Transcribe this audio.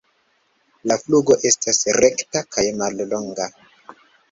La flugo estas rekta kaj mallonga.